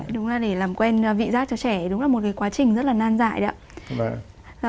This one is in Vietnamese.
đúng là để làm quen vị giác cho trẻ đúng là một quá trình rất là nan dại đấy ạ